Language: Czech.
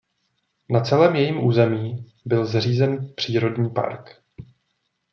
Na celém jejím území byl zřízen přírodní park.